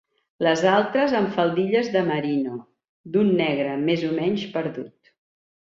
Les altres amb faldilles de merino, d'un negre més o menys perdut.